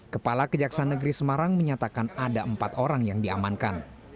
kepala kejaksaan negeri semarang menyatakan ada empat orang yang diamankan